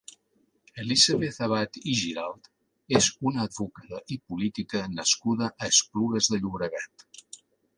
Elisabeth Abad i Giralt és una advocada i política nascuda a Esplugues de Llobregat.